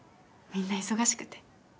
みんな忙しくて。